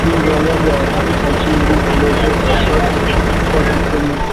Ujumbe wa Umoja wa Mataifa nchini Libya ulielezea wasiwasi wake kwenye twitter kuhusu ripoti